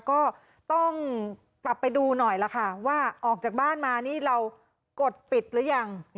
ก็ต้องกลับไปดูหน่อยล่ะค่ะว่าออกจากบ้านมานี่เรากดปิดหรือยัง